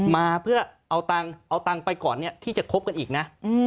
มาเพื่อเอาตังค์ไปก่อนที่จะคบกันอีกนะ